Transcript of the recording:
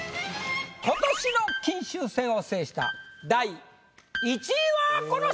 今年の金秋戦を制した第１位はこの人！